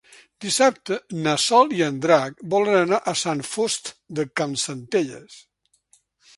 Dissabte na Sol i en Drac volen anar a Sant Fost de Campsentelles.